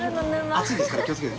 熱いですから気をつけて。